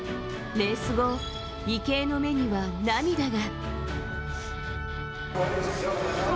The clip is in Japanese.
レース後、池江の目には涙が。